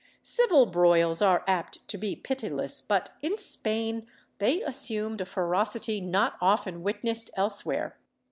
Civil broils are apt to be pitiless, but in Spain they assumed a ferocity not often witnessed elsewhere.